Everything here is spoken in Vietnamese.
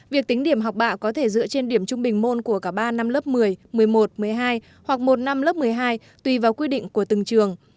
việc tính điểm học bạ có thể dựa trên điểm trung bình môn của cả ba năm lớp một mươi một mươi một một mươi hai hoặc một năm lớp một mươi hai tùy vào quy định của từng trường